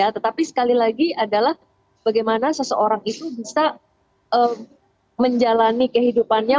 tetapi sekali lagi adalah bagaimana seseorang itu bisa menjalani kehidupannya